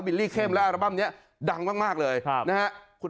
ลี่เข้มและอัลบั้มนี้ดังมากเลยนะฮะ